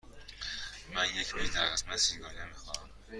من یک میز در قسمت سیگاری ها می خواهم.